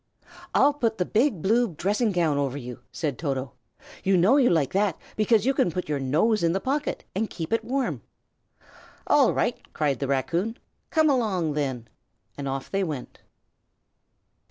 "I'll put the big blue dressing gown over you," said Toto. "You know you like that, because you can put your nose in the pocket, and keep it warm." "All right," cried the raccoon. "Come along, then!" and off they went.